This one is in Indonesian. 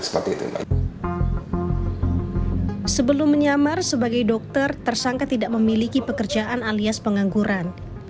sebelum menyamar sebagai dokter tersangka tidak memiliki pekerjaan alias pengangguran